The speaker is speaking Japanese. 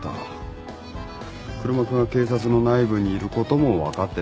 黒幕が警察の内部にいることも分かってた。